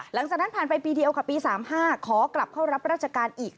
หลังจากนั้นผ่านไปปีเดียวค่ะปี๓๕ขอกลับเข้ารับราชการอีก